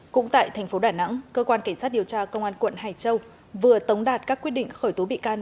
cũng tại tp đà nẵng cơ quan cảnh sát điều tra công an tp hải châu vừa tống đạt các quyết định khởi tố bị can